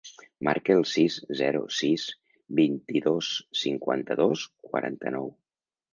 Marca el sis, zero, sis, vint-i-dos, cinquanta-dos, quaranta-nou.